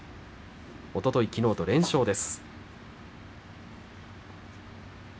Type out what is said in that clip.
おととい、きのうと連勝です。